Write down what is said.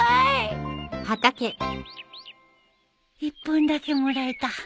１本だけもらえた。